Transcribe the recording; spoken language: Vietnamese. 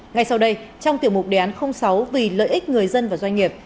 ngay sau đây trong tiểu mục đề án sáu vì lợi ích người dân và doanh nghiệp